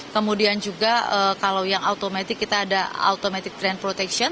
kalau yang otomatis kita ada automatic train protection